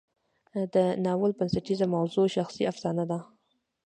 د ناول بنسټیزه موضوع شخصي افسانه ده.